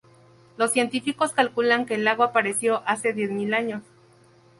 Los científicos calculan que el lago apareció hace diez mil años.